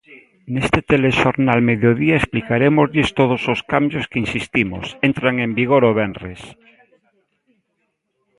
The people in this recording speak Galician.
Neste Telexornal Mediodía explicarémoslles todos os cambios que, insistimos, entran en vigor o venres.